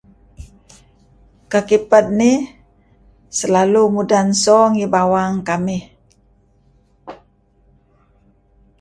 Kekiped nih selalu mudan so ngi bawang kamih